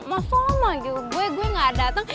masalah mah gue gue gak dateng